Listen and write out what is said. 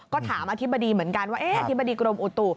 ก็ถามอธิบดีเหมือนกันว่าอธิบดีกรมอุตุ